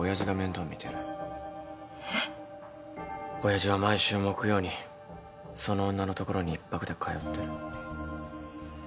親父は毎週木曜にその女のところに一泊で通ってる。